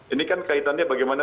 ini kan kaitannya bagaimana